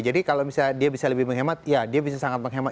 jadi kalau misalnya dia bisa lebih menghemat ya dia bisa sangat menghemat